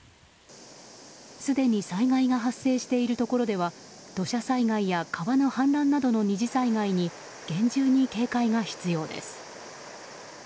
すでに災害が発生しているところでは土砂災害や川の氾濫などの２次災害に厳重に警戒が必要です。